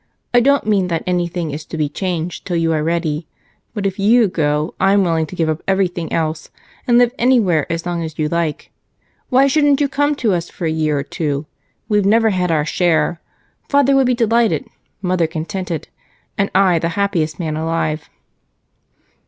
I don't mean that anything is to be changed till you are ready, but if you go, I am willing to give up everything else and live anywhere as long as you like. Why shouldn't you come to us for a year or two? We've never had our share. Father would be delighted, mother contented, and I the happiest man alive."